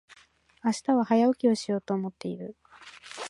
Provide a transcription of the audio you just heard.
明日は早起きしようと思っている。